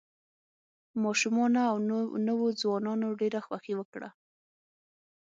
ماشومانو او نوو ځوانانو ډېره خوښي وکړه.